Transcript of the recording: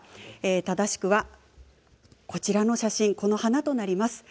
正しくはこちらの写真この花となります。